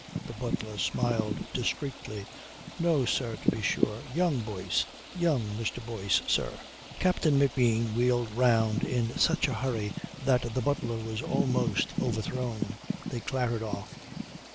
The butler smiled discreetly. "No, sir, to be sure. Young Boyce young Mr. Boyce, sir." Captain McBean wheeled round in such a hurry that the butler was almost overthrown. They clattered off.